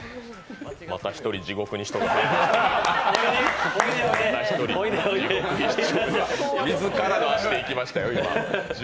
また一人、地獄に入りました自らの足で行きましたよ、今。